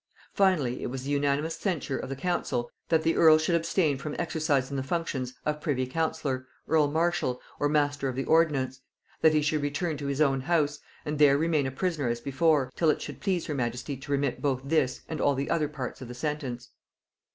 Finally, it was the unanimous censure of the council, that the earl should abstain from exercising the functions of privy councillor, earl marshal, or master of the ordnance; that he should return to his own house, and there remain a prisoner as before, till it should please her majesty to remit both this and all the other parts of the sentence.